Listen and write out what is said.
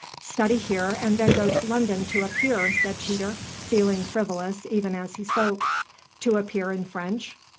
"Study here and then go to London to appear," said Peter, feeling frivolous even as he spoke. "To appear in French?"